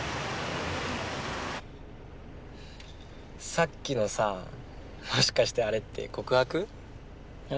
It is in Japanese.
さっきのさもしかしてあれって告白？え？